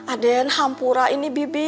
aden hampura ini bibi